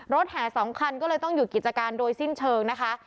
แห่๒คันก็เลยต้องหยุดกิจการโดยสิ้นเชิงนะคะ